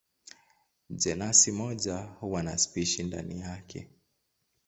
Jenasi moja huwa na spishi ndani yake.